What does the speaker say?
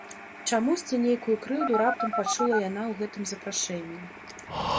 Чамусьці нейкую крыўду раптам пачула яна ў гэтым запрашэнні.